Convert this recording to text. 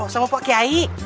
sengup pakai aik